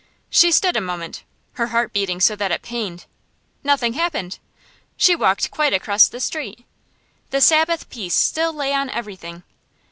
She stood a moment, her heart beating so that it pained. Nothing happened! She walked quite across the street. The Sabbath peace still lay on everything.